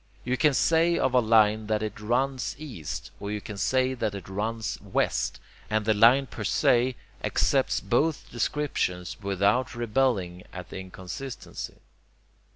You can say of a line that it runs east, or you can say that it runs west, and the line per se accepts both descriptions without rebelling at the inconsistency.